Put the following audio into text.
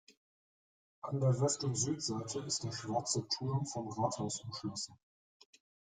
An der West- und Südseite ist der Schwarze Turm vom Rathaus umschlossen.